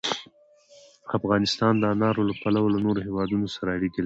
افغانستان د انارو له پلوه له نورو هېوادونو سره اړیکې لري.